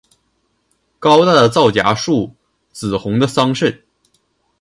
高大的皂荚树，紫红的桑葚